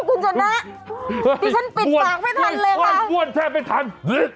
โอ้โหคุณจรรย์นะนี่ฉันปิดปากไม่ทันเลยค่ะ